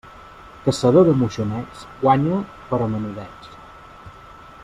Caçador de moixonets, guanya, però menudets.